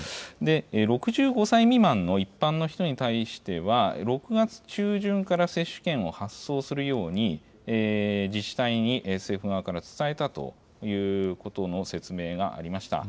６５歳未満の一般の人に対しては、６月中旬から接種券を発送するように、自治体に政府側から伝えたということの説明がありました。